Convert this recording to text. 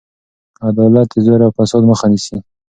عدالت د زور او فساد مخه نیسي.